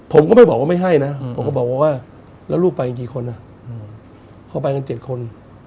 ผมก็ไม่บอกว่าไม่ให้นะผมก็บอกว่าแล้วลูกไปกี่คนพอไปกัน๗คน